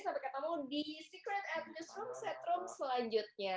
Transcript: sampai ketemu di secret ad newsroom set room selanjutnya